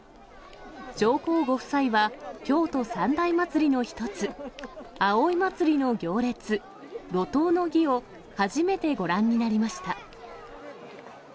上皇ご夫妻は、京都三大祭りの一つ、葵祭の行列、路頭の儀を初めてご覧になりました。